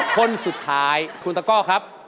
คนสุดท้ายคุณปรากฎครับ